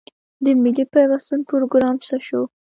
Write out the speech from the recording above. د ملي پیوستون پروګرام څه شو؟